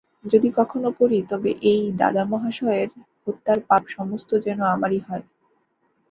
যদি কখনো করি, তবে এই দাদামহাশয়ের হত্যার পাপ সমস্ত যেন আমারই হয়।